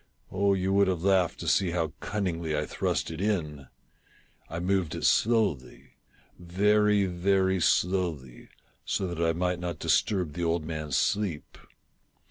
Oh, you would have laughed to see how cunningly I thrust it in ! I moved it slowly — very, very slowly, so that I might not disturb the old man's sleep.